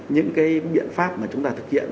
những cái biện pháp mà chúng ta thực hiện